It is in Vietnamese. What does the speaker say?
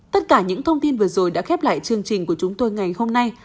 tất cả những thông tin vừa rồi đã khép lại chương trình của chúng tôi ngày hôm nay